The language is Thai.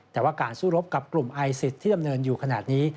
แต่ว่าการสู้รบกับกลุ่มไอซิสที่ดำเนินอยู่ขนาดนี้